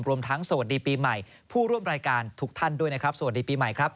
รวมทั้งสวัสดีปีใหม่ผู้ร่วมรายการทุกท่านด้วยนะครับสวัสดีปีใหม่ครับ